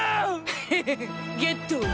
ヘヘヘヘッゲット。